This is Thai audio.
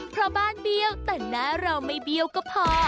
เพราะบ้านเบี้ยวแต่หน้าเราไม่เบี้ยวก็พอ